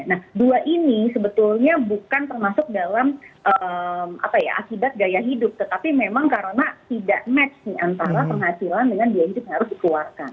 nah dua ini sebetulnya bukan termasuk dalam akibat gaya hidup tetapi memang karena tidak match nih antara penghasilan dengan biaya hidup yang harus dikeluarkan